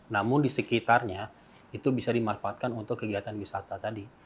namun di sekitarnya itu bisa dimanfaatkan untuk kegiatan wisata tadi